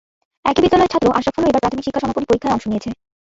একই বিদ্যালয়ের ছাত্র আশরাফুলও এবার প্রাথমিক শিক্ষা সমাপনী পরীক্ষায় অংশ নিয়েছে।